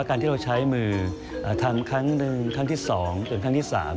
การที่เราใช้มือทำครั้งหนึ่งครั้งที่๒เป็นครั้งที่๓